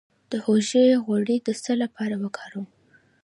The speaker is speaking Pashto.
د هوږې غوړي د څه لپاره وکاروم؟